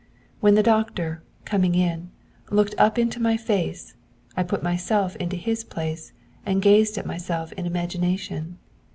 When the doctor, coming in, looked up into my face, I put myself into his place, and gazed at myself in imagination.